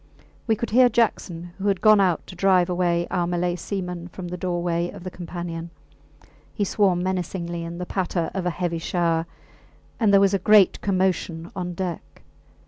We could hear Jackson, who had gone out to drive away our Malay seamen from the doorway of the companion; he swore menacingly in the patter of a heavy shower, and there was a great commotion on deck.